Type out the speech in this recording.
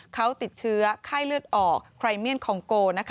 เขาติดเชื้อไข้เลือดออกไครเมียนคองโกนะคะ